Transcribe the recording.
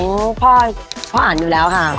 พ่อพ่ออ่านอยู่แล้วค่ะ